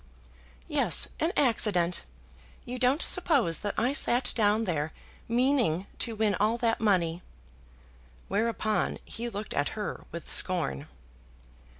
"Yes, an accident. You don't suppose that I sat down there meaning to win all that money?" Whereupon he looked at her with scorn.